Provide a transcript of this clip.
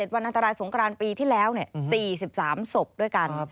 วันอันตรายสงครานปีที่แล้ว๔๓ศพด้วยกัน